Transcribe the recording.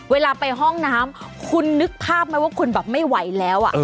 เวลาไปห้องน้ำคุณนึกภาพไหมว่าคุณแบบไม่ไหวแล้ว